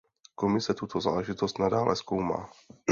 Komise tuto záležitost nadále zkoumá.